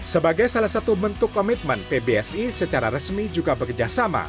sebagai salah satu bentuk komitmen pbsi secara resmi juga bekerjasama